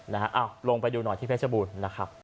นะฮะอ้าวลงไปดูหน่อยที่เพชรบูรณ์นะครับ